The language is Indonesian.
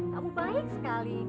kamu baik sekali